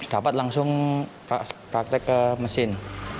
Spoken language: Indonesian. dapat langsung praktek ke mesin